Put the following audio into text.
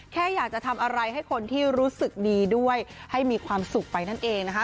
แค่อยากจะทำอะไรให้คนที่รู้สึกดีด้วยให้มีความสุขไปนั่นเองนะคะ